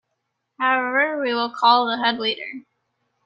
However, we will call the head waiter.